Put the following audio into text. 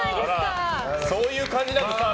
そういう感じなんですか。